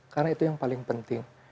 karena itu yang paling penting